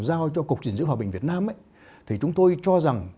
giao cho cục gìn giữ hòa bình việt nam thì chúng tôi cho rằng